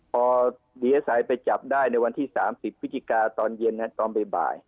พอดีอาศัยไปจับได้ในวันที่๓๐พฤศจิกาตอนเย็นตอนบ่าย